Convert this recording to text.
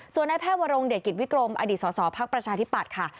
ส่วนนายแพทย์วรงเดชกิจวิกรมอดีตสสพักประชาธิปัตย์ค่ะ